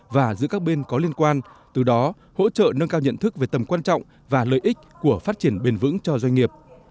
và giữa các bên có liên quan từ đó hỗ trợ nâng cao nhận thức về tầm quan trọng và lợi ích của phát triển bền vững cho doanh nghiệp